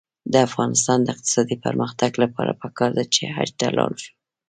د افغانستان د اقتصادي پرمختګ لپاره پکار ده چې حج ته لاړ شو.